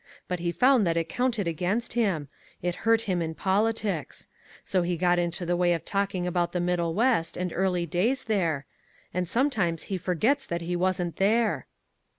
But he found that it counted against him: it hurt him in politics. So he got into the way of talking about the Middle West and early days there, and sometimes he forgets that he wasn't there."